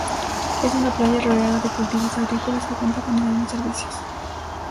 Es una playa rodeada de cultivos agrícolas, que cuenta con algunos servicios.